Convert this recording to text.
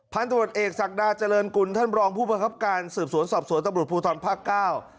พันตรวจเอกศักดาเจริญกุลท่านรองผู้บังคับการสืบสวนสอบสวนตำรวจภูทรภาคเก้า